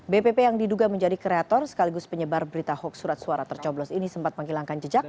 bpp yang diduga menjadi kreator sekaligus penyebar berita hoax surat suara tercoblos ini sempat menghilangkan jejak